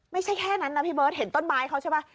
ไม่ใช่แค่นั้นนะพี่เบิร์ตเห็นต้นไม้เขาใช่ไหม